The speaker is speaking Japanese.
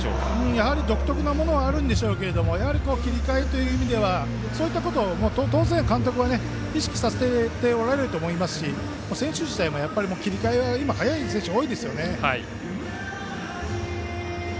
やはり独特なものがあるんでしょうけど切り替えという意味ではそういったことは当然、監督は意識させておられると思いますし選手自体も切り替えは早い選手は多いですよね。